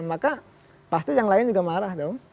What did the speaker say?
maka pasti yang lain juga marah dong